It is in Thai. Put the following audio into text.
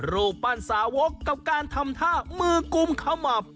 รูปปั้นสาวกกับการทำท่ามือกุมขมับ